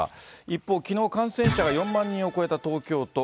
一方、きのう、感染者が４万人を超えた東京都。